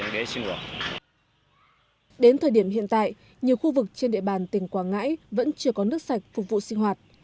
đến thời điểm hiện tại nhiều khu vực trên địa bàn tỉnh quảng ngãi vẫn chưa có nước sạch phục vụ sinh hoạt